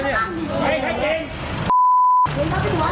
นี่นี่นี่นี่นี่นี่นี่นี่นี่